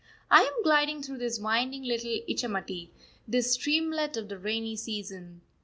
I am gliding through this winding little Ichamati, this streamlet of the rainy season.